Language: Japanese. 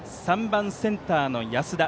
３番、センターの安田。